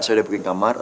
saya udah bukin kamar